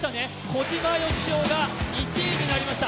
小島よしおが１位になりました。